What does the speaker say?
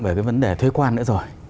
về cái vấn đề thuế quan nữa rồi